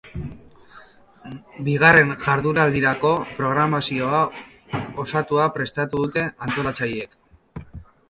Bigarren jardunaldirako programazio osatua prestatu dute antolatzaileek.